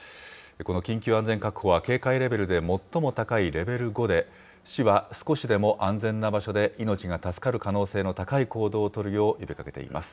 この緊急安全確保は、警戒レベルで最も高いレベル５で、市は少しでも安全な場所で命が助かる可能性の高い行動を取るよう呼びかけています。